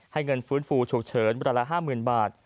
ให้เงินฟื้นฟูฉุกเฉินประมาณละ๕๐๐๐๐บาท